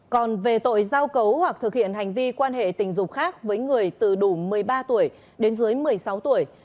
còn về tội giao cấu hoặc thực hiện hành vi quan hệ tình dục khác với người từ đủ một mươi ba tuổi đến dưới một mươi sáu tuổi